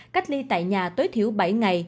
cách ly tại nhà tối thiểu bảy ngày